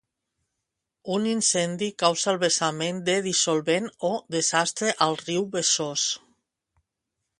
Un incendi causà el vessament de dissolvent o desastre al riu Besós.